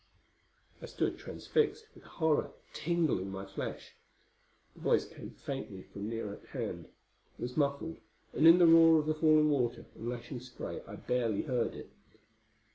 I stood transfixed, with horror tingling my flesh. The voice came faintly from near at hand; it was muffled, and in the roar of the falling water and lashing spray I barely heard it.